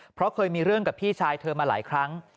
เพราะเคยมีเรื่องกับพี่ชายเธอมาหลายครั้ง